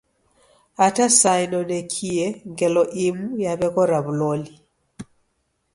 Hata saa inonekie ngelo imu yaweghora wuloli.